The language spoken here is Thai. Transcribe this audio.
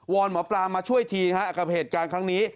อนหมอปลามาช่วยทีนะฮะกับเหตุการณ์ครั้งนี้